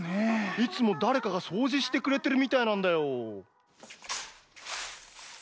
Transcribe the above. いつもだれかがそうじしてくれてるみたいなんだよ。